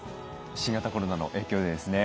新型コロナの影響でですね